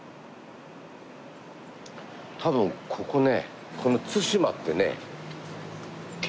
多分ここね。